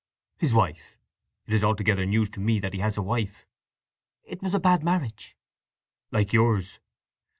"His wife! It is altogether news to me that he has a wife." "It was a bad marriage." "Like yours."